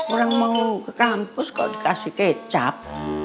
orang mau ke kampus kok dikasih kecap